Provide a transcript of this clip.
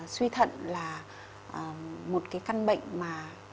suy thận là một cái căn bệnh mà